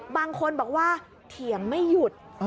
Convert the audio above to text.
บางคนบอกว่าเถียงไม่หยุด